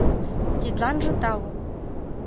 Тидланже тау.